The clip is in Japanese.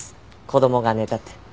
子供が寝たって。